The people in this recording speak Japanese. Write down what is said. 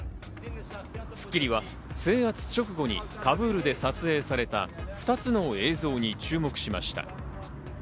『スッキリ』は制圧直後にカブールで撮影された２つの映像に注目しました。